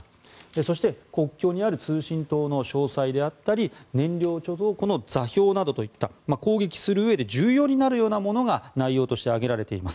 そして国境にある通信塔の詳細であったり燃料貯蔵庫の座標などといった攻撃するうえで重要になるようなものが内容として挙げられています。